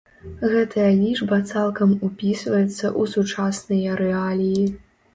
Гэтая лічба цалкам упісваецца ў сучасныя рэаліі.